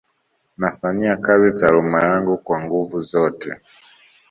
Nafanyia kazi taaluma yangu kwa nguvu zote